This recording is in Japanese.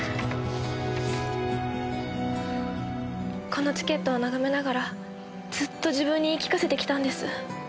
このチケットを眺めながらずっと自分に言い聞かせてきたんです。